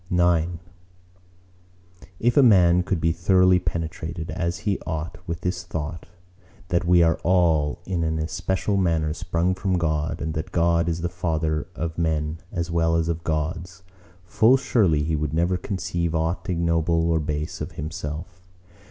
IX If a man could be throughly penetrated, as he ought, with this thought, that we are all in an especial manner sprung from God, and that God is the Father of men as well as of Gods, full surely he would never conceive aught ignoble or base of himself.